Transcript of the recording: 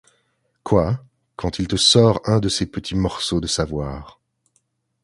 quoi Quand il te sort un de ses petits morceaux de savoir.